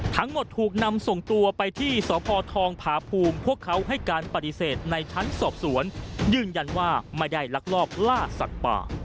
ทั้งหมดถูกนำส่งตัวไปที่สพทองผาภูมิพวกเขาให้การปฏิเสธในชั้นสอบสวนยืนยันว่าไม่ได้ลักลอบล่าสัตว์ป่า